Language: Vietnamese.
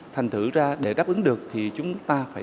thành thử ra để đáp ứng được thì chúng ta phải